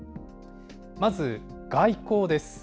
まず、外交です。